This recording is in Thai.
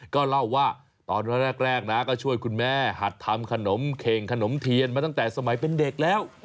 ก็เล่าว่าตอนแรกนะก็ช่วยคุณแม่หัดทำขนมเข่งขนมเทียนมาตั้งแต่สมัยเป็นเด็กแล้ว